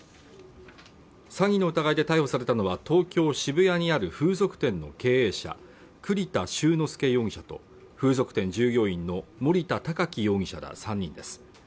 詐欺の疑いで逮捕されたのは東京渋谷にある風俗店の経営者栗田周之介容疑者と風俗店従業員の森田宇紀容疑者ら３人です